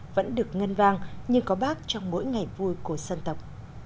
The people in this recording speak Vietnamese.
vẫn được ngân vang nhưng có bác trong mỗi ngày vui của dân tộc